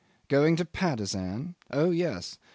. Going to Patusan? Oh yes.